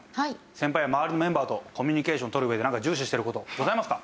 先輩や周りのメンバーとコミュニケーションを取る上でなんか重視してる事ございますか？